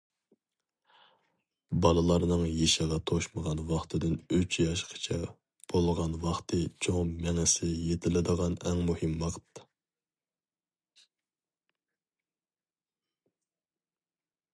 بالىلارنىڭ يېشىغا توشمىغان ۋاقتىدىن ئۈچ ياشقىچە بولغان ۋاقتى چوڭ مېڭىسى يېتىلىدىغان ئەڭ مۇھىم ۋاقىت.